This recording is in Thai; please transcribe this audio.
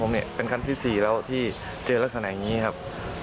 ของผมเนี่ยเป็นการที่สี่ซีแล้วที่เจอลักสนทนอย่างงี้ครับ